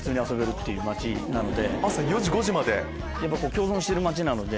共存してる街なので。